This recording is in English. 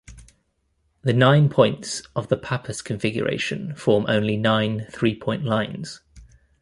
The nine points of the Pappus configuration form only nine three-point lines.